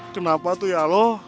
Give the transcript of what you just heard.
kenapa tuh ya lo